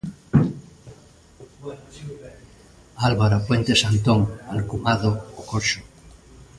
Álvaro Puentes Antón, alcumado 'O coxo'.